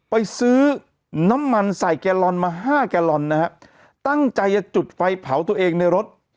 ไปซื้อน้ำมันใส่แกลลอนมาห้าแกลลอนนะฮะตั้งใจจะจุดไฟเผาตัวเองในรถ